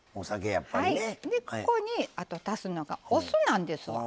ここにあと足すのがお酢なんですわ。